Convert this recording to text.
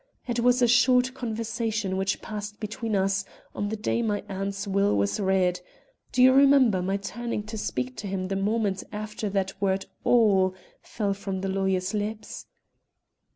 It was a short conversation which passed between us on the day my aunt's will was read. Do you remember my turning to speak to him the moment after that word all fell from the lawyer's lips?"